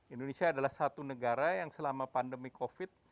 indonesia adalah satu negara yang selama pandemi covid